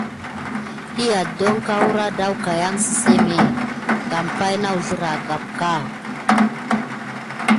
Ɗiy afeteŋgək akawa wi negudick wusa kan nikidi.